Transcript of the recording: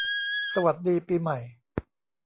สวัสดีปีใหม่